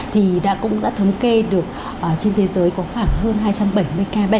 thì đã cũng đã thống kê được trên thế giới có khoảng hơn hai trăm bảy mươi ca bệnh